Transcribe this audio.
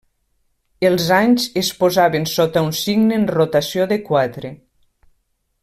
Els anys es posaven sota un signe en rotació de quatre.